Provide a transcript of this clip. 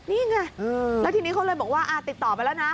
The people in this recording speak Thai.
นี่ไงแล้วทีนี้เขาเลยบอกว่าติดต่อไปแล้วนะ